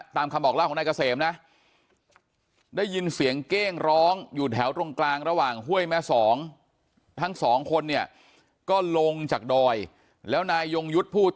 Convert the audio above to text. ตามคำบอกล่าของนายเกษมนะได้ยินเสียงเก้งร้องอยู่แถวตรงกลาง